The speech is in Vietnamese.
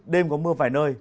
đêm có mưa vài nơi